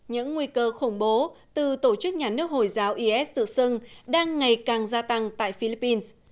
những nguy cơ khủng bố từ tổ chức nhà nước hồi giáo is tự xưng đang ngày càng gia tăng tại philippines